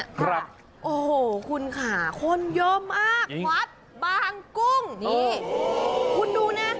ครับโอ้โหคุณค่ะคนเยอะมากวัดบางกุ้งนี่คุณดูนะ